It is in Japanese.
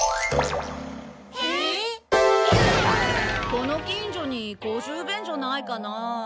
この近所に公衆便所ないかなぁ？